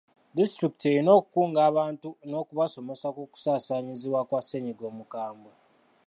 Disitulikiti erina okukunga abantu n'okubasomesa ku kusaasaanyizibwa kwa ssennyiga omukambwe.